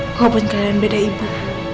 walaupun kalian beda ibu